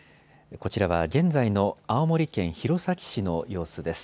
こちらは現在の青森県弘前市の様子です。